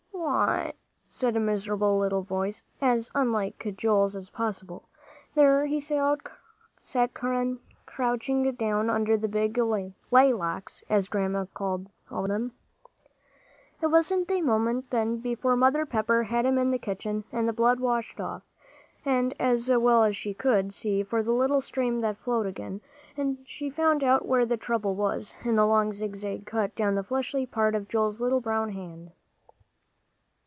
"What?" said a miserable little voice, as unlike Joel's as possible. There he sat crouching down under the big "laylocks," as Grandma always called them. It wasn't a moment, then, before Mother Pepper had him in the kitchen and the blood washed off, and as well as she could see, for the little stream that flowed again, she found out where the trouble was, in the long zigzag cut down the fleshy part of Joel's little brown hand.